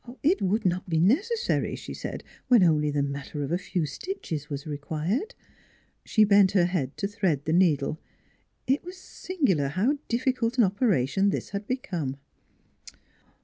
It would not be necessary, she said, when only the matter of a few stitches was required. She bent her head to thread the needle. It was sin gular how difficult an operation this had become.